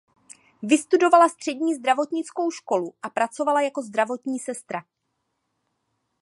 Vystudovala střední zdravotnickou školu a pracovala jako zdravotní sestra.